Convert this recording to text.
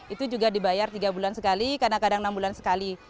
itu juga dibayar tiga bulan sekali kadang kadang enam bulan sekali